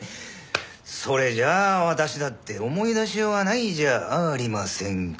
それじゃ私だって思い出しようがないじゃありませんか。